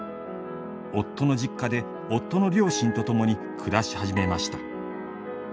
夫の実家で夫の両親と共に暮らし始めました。